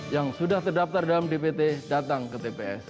yang sudah terdaftar dalam dpt datang ke tps